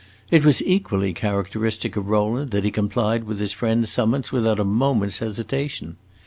It was equally characteristic of Rowland that he complied with his friend's summons without a moment's hesitation.